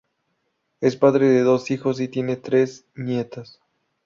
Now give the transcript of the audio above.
Es padre de dos hijos y tiene tres nietas.